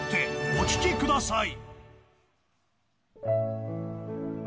お聴きください。